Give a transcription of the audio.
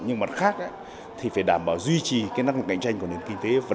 nhưng mặt khác thì phải đảm bảo duy trì năng lượng cạnh tranh của người lao động